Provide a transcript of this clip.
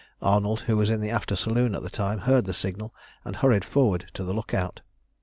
Arnold, who was in the after saloon at the time, heard the signal, and hurried forward to the look out.